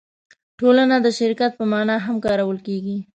ټولنه د شرکت په مانا هم کارول کېږي.